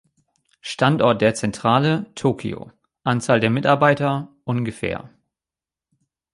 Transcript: Standort der Zentrale: Tokio, Anzahl Mitarbeiter: ungefähr